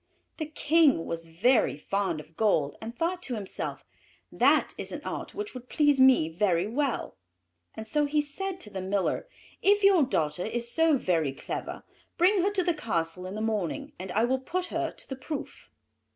The King was very fond of gold, and thought to himself, "That is an art which would please me very well"; and so he said to the Miller, "If your daughter is so very clever, bring her to the castle in the morning, and I will put her to the proof."